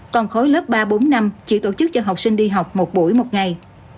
còn khối lớp ba bốn năm chỉ tổ chức cho học sinh đi học một buổi một ngày